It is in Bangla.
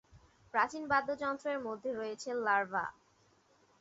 প্রাচীন বাদ্যযন্ত্রের মধ্যে রয়েছে লার্ভা।